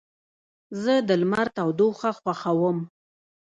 زه د لمر تودوخه خوښوم.